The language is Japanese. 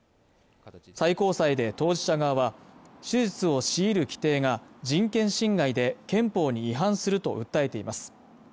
最高裁で当事者側は手術を強いる規定が人権侵害で憲法に違反すると訴えています